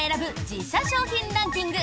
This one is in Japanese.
自社商品ランキング！